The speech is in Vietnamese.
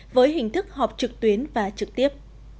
với hình thức họp trực tuyến và trực tiếp